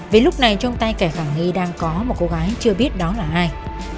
vì lúc này trong tay kẻ khả nghi đang có một cô gái chưa biết đó là ai